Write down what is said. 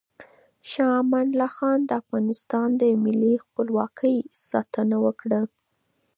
شاه امان الله خان د افغانانو د ملي خپلواکۍ ساتنه وکړه.